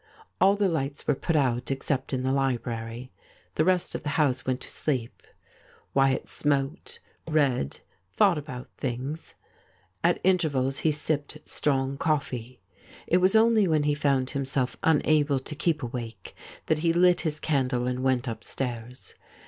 All the lights were put out except in the library ; the rest of the house went to sleep. Wyatt smoked, read, thought about things. At intervals he sipped strong coffee. It was only when he found himself unable 36 THIS IS ALL to keep HAvake that he Ht his candle and went upstairs.